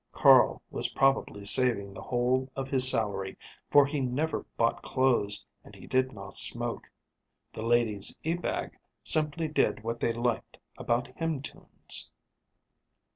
Carl was probably saving the whole of his salary, for he never bought clothes and he did not smoke. The ladies Ebag simply did what they liked about hymn tunes.